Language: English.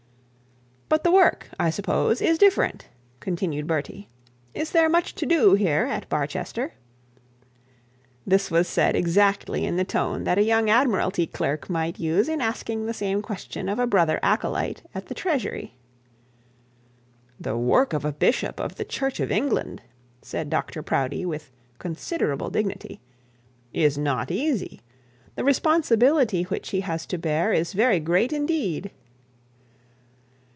'But the work, I suppose, is different?' continued Bertie. 'Is there much to do here at Barchester?' This was said exactly in the tone that a young Admiralty clerk might use in asking the same question of a brother acolyte in the Treasury. 'The work of a bishop of the Church of England,' said Dr Proudie, with considerable dignity, 'is not easy. The responsibility which he has to bear is very great indeed.'